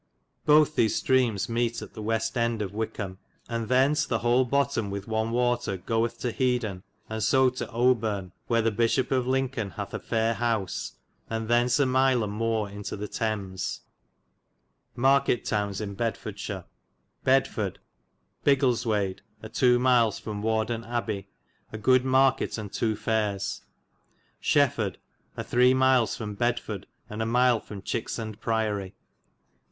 Bothe these streames meate at the west ende of Wikam, and thens the hole botom with one water goith to Hedon, so to Owburne,'^ wher the Bishop of Lincoln hath a fair howse, and thens a mile and more into the Tamise. Market Towns in Bedfordshire. Leland, vii, Bedford. ^^^^^ Bigelswade a 2. miles from Wardon^ Abbay, a good market fo^ ji'i ^^ and 2. faires. Beds. Shefforde a 3. miles from Bedforde, and a mile from Chyksand Priory.